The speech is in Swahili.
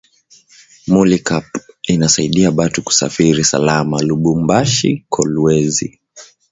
Mulykap inasaidia batu kusafiri salama lubumbashi kolwezi